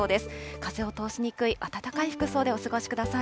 風を通しにくい暖かい服装でお過ごしください。